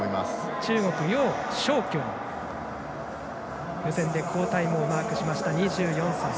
中国の楊少橋、予選で好タイムをマークしました２４歳。